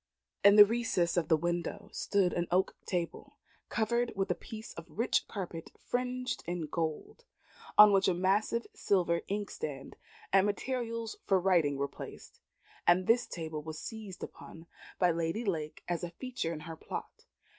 In the recess of the window stood an oak table, covered with a piece of rich carpet fringed with gold, on which a massive silver inkstand and materials for writing were placed; and this table was seized upon by Lady Lake as a feature in her plot.